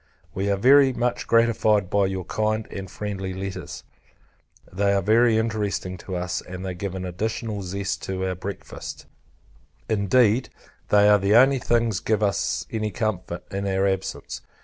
We are very much gratified by your kind and friendly letters: they are very interesting to us, and they give an additional zest to our breakfast; indeed, they are the only things give us any comfort, in our absence.